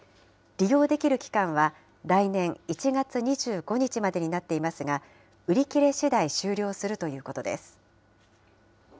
利用できる期間は来年１月２５日までになっていますが、売り切れしだい、終了するということです。